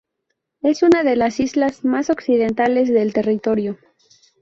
Es una de las islas más occidentales del Territorio.